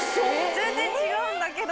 全然違うんだけど。